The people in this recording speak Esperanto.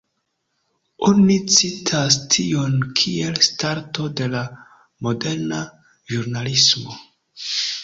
Oni citas tion kiel starto de la moderna ĵurnalismo.